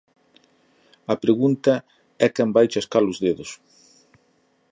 A pregunta é quen vai chascar os dedos?